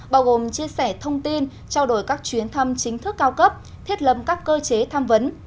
bao gồm chia sẻ thông tin trao đổi các chuyến thăm chính thức cao cấp thiết lâm các cơ chế tham vấn